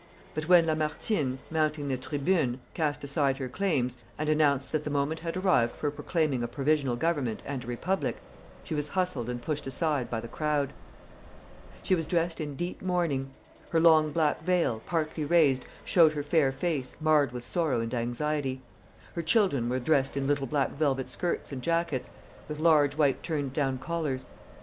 But when Lamartine, mounting the tribune, cast aside her claims, and announced that the moment had arrived for proclaiming a provisional government and a republic, she was hustled and pushed aside by the crowd. She was dressed in deep mourning. Her long black veil, partly raised, showed her fair face marred with sorrow and anxiety. Her children were dressed in little black velvet skirts and jackets, with large white turned down collars.